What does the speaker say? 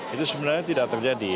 itu sebenarnya tidak terjadi